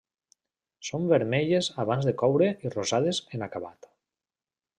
Són vermelles abans de coure i rosades en acabat.